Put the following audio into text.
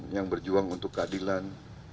yang berjuang untuk keadilan